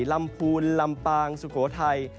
ลำพูนลำปางสุโขทัย